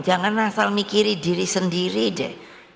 jangan asal mikirin diri sendiri deh